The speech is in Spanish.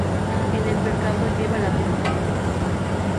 En el pecado lleva la penitencia